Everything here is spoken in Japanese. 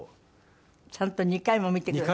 ちゃんと２回も見てくれた？